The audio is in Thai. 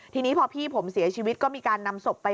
ทีนี้พอพี่ผมเสียชีวิตก็มีการนำศพไป